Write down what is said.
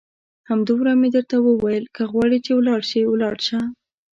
همدومره مې درته وویل، که غواړې چې ولاړ شې ولاړ شه.